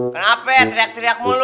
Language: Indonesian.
kenapa ya teriak teriak mulu